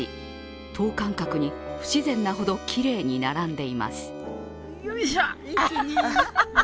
等間隔に不自然なほどきれいに並んでいます。